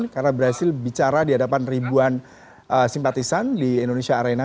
karena berhasil bicara di hadapan ribuan simpatisan di indonesia arena